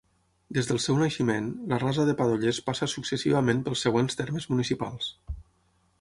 Des del seu naixement, la Rasa de Padollers passa successivament pels següents termes municipals.